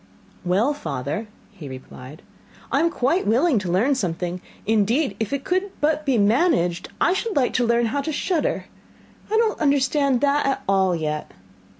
'Well, father,' he replied, 'I am quite willing to learn something indeed, if it could but be managed, I should like to learn how to shudder. I don't understand that at all yet.